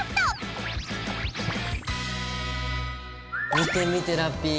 見て見てラッピィ。